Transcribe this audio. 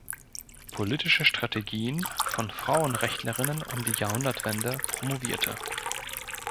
Politische Strategien von Frauenrechtlerinnen um die Jahrhundertwende“" promovierte.